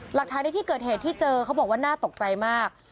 หลักฐานในที่เกิดเหตุที่เจอเขาบอกว่าน่าตกใจมาก